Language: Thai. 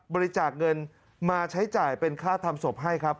บริจาคเงินมาใช้จ่ายเป็นค่าทำศพให้ครับ